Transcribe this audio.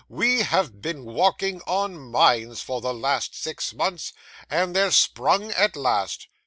We have been walking on mines for the last six months, and they're sprung at last.